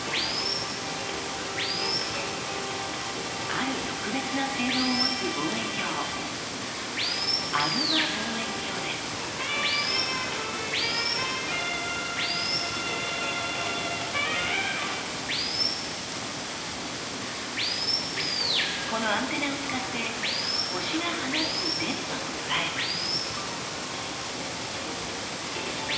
ある特別な性能を持つ望遠鏡このアンテナを使って星が放つ電波を捉えます。